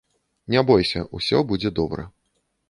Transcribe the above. Не бойся, усё будзе добра.